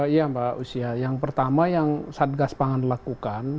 iya mbak usia yang pertama yang satgas pangan lakukan